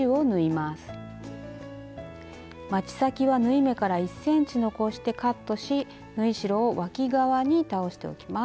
まち先は縫い目から１ｃｍ残してカットし縫い代をわき側に倒しておきます。